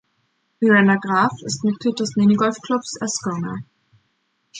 Miranda Graf ist Mitglied des Minigolf-Clubs Ascona.